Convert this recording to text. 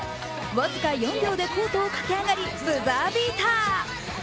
僅か４秒でコートを駆け上がりブザービーター。